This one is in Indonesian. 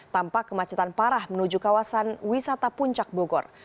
tampak kemacetan parah menuju kawasan wisata puncak bogor